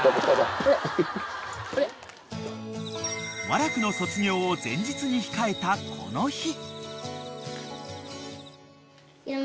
［和楽の卒業を前日に控えたこの日］